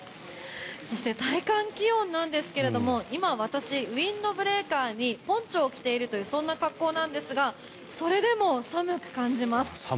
そして体感気温なんですが今、私、ウィンドブレーカーにポンチョを着ているというそんな格好なんですがそれでも寒く感じます。